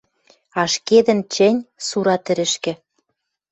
Ашкедӹн чӹнь Сура тӹрӹшкӹ